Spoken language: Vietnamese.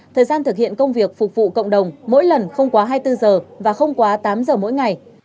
thời gian thực hiện công việc phục vụ cộng đồng mỗi lần không quá hai mươi bốn giờ và không quá tám giờ mỗi ngày